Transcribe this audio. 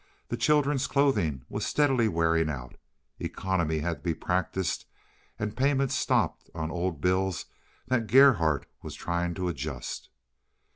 The children's clothing was steadily wearing out. Economy had to be practised, and payments stopped on old bills that Gerhardt was trying to adjust.